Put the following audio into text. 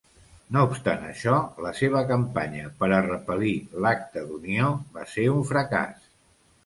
No obstant això, la seva campanya per a 'repel·lir' l'Acta d'Unió va ser un fracàs.